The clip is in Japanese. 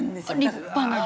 立派な。